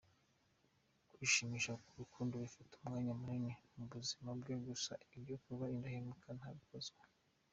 Kwishimisha n’urukundo bifata umwanya munini mu buzima bwe gusa ibyo kuba indahemuka ntabikozwa.